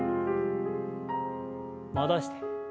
戻して。